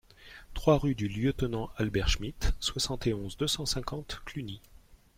trois rue du Lieutenant Albert Schmitt, soixante et onze, deux cent cinquante, Cluny